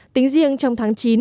tính riêng trong tháng chín